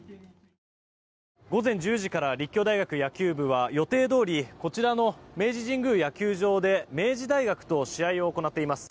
午前１０時から立教大学野球部は予定どおりこちらの明治神宮野球場で明治大学と試合を行っています。